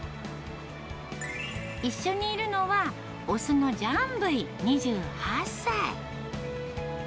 一緒にいるのは、雄のジャンブイ２８歳。